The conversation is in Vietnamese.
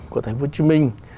của thành phố hồ chí minh